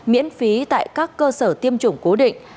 miễn phí tại các cơ sở tiêm chủng cố định